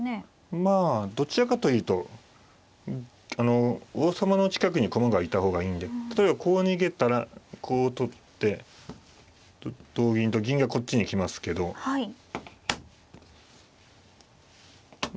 まあどちらかというと王様の近くに駒がいた方がいいんで例えばこう逃げたらこう取って同銀と銀がこっちに来ますけどま